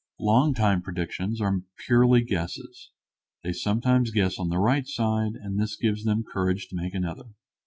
Long time predictions are purely guesses. They sometimes guess on the right side, and this gives them courage to make another.